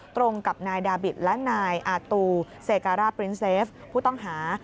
ตรงกับนายดาบิตและนายอาตูเซการาปรินเซฟผู้ต้องหา